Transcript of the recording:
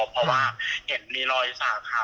เพราะว่าเห็นมีรอยสักค่ะ